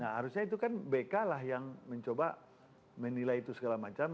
nah harusnya itu kan bk lah yang mencoba menilai itu segala macam